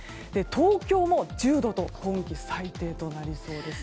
東京も１０度と今季最低となりそうです。